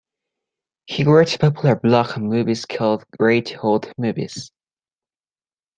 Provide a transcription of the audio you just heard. He writes a popular blog on movies called Great Old Movies.